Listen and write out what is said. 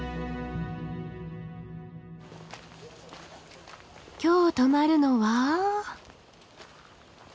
今日泊まるのは。